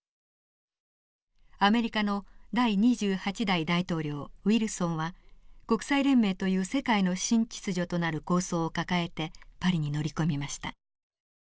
アメリカの第２８代大統領ウィルソンは国際連盟という世界の新秩序となる構想を抱えてパリに乗り込みました。